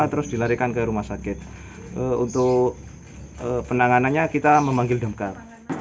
semua terus di magazines rumah sakit untuk penanganannya kita memanggil demkar